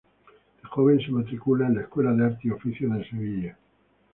De joven se matricula en la Escuela de Artes y Oficios de Sevilla.